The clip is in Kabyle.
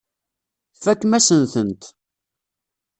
Tfakem-asen-tent.